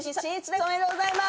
おめでとうございます。